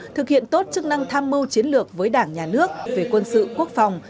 thực hiện tốt chức năng tham mưu chiến lược với đảng nhà nước về quân sự quốc phòng